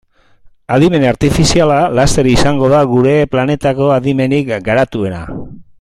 Adimen artifiziala laster izango da gure planetako adimenik garatuena.